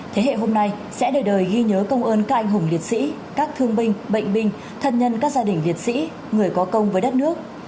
thế hệ hôm nay sẽ đời đời ghi nhớ công ơn các anh hùng liệt sĩ các thương binh bệnh binh thân nhân các gia đình liệt sĩ người có công với đất nước